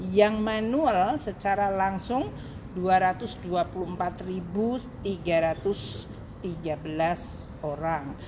yang manual secara langsung dua ratus dua puluh empat tiga ratus tiga belas orang